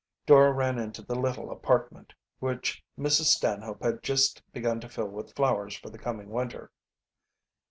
Dora ran into the little apartment, which Mrs. Stanhope had just begun to fill with flowers for the coming winter.